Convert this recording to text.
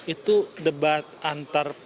itu debat antar paslon